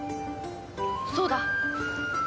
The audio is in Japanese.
そうだ。